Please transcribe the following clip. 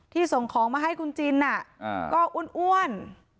ส่งของมาให้คุณจินก็อ้วน